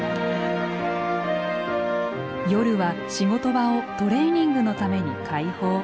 夜は仕事場をトレーニングのために開放。